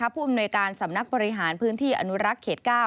ผู้อำนวยการสำนักบริหารพื้นที่อนุรักษ์เขต๙